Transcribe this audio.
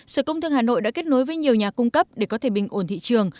sở công thương hà nội đã kết nối với nhiều nhà cung cấp để có thể bình ổn thị trường